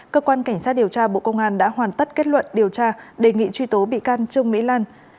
cơ quan cảnh sát điều tra bộ công an đã hoàn tất kết luận điều tra đề nghị truy tố bị can trương mỹ lan